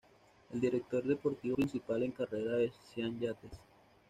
El director deportivo principal en carrera es Sean Yates.